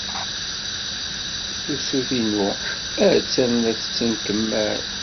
Tusut-inu attan la tettenkemmal.